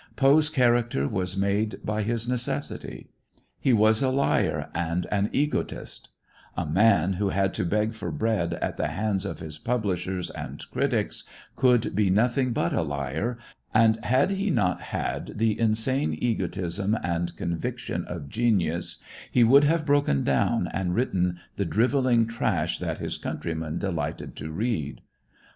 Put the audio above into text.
Poe's character was made by his necessity. He was a liar and an egotist; a man who had to beg for bread at the hands of his publishers and critics could be nothing but a liar, and had he not had the insane egotism and conviction of genius, he would have broken down and written the drivelling trash that his countrymen delighted to read.